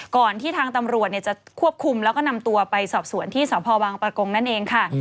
ก่อนที่ทางตำรวจจะควบคุมแล้วก็นำตัวไปสอบสวนที่สพบังปะกงนั่นเองค่ะ